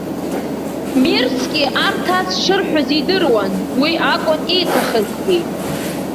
Мирски арҭ ас шырҳәоз идыруан, уи акәын ииҭахызгьы.